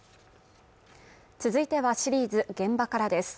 続いてはシリーズ「現場から」です